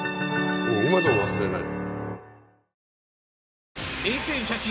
今でも忘れない。